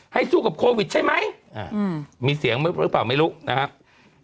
สู้กับโควิดใช่ไหมมีเสียงหรือเปล่าไม่รู้นะครับ